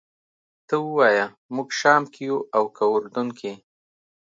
ته ووایه موږ شام کې یو او که اردن کې.